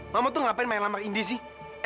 mama tuh ngapain main lambar indi sih